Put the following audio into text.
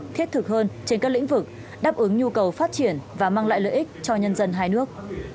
thiết thực hơn trên các lĩnh vực đáp ứng nhu cầu phát triển và mang lại lợi ích cho nhân dân hai nước